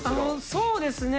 そうですね。